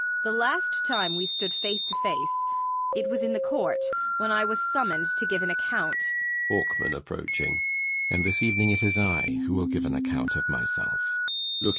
The last time we stood face to face it was in the Court, when I was summoned to give an account BORKMAN.